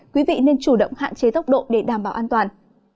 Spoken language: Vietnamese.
quý vị nên chủ động hạn chế tốc độ để đảm bảo an toàn